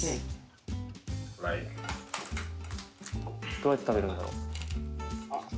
どうやって食べるんだろう？